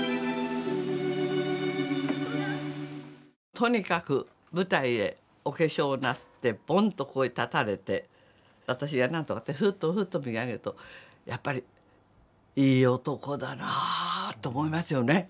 とにかく舞台へお化粧なすってぼんとここへ立たれて私が何とかってふっとふっと見上げるとやっぱり「いい男だなあ」と思いますよね。